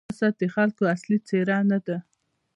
سیاست د خلکو اصلي څېره نه ده.